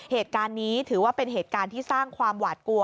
เหตุการณ์นี้ถือว่าเป็นเหตุการณ์ที่สร้างความหวาดกลัว